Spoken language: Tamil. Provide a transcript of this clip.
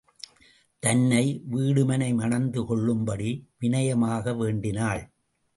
தன்னை வீடுமனை மணந்து கொள்ளும்படி வினயமாக வேண்டினாள்.